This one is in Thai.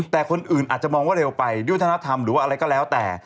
แต่คนอื่นอาจจะมองว่าเร็วไปด้วยธนธรรมหรือว่าอะไรก็แล้วแต่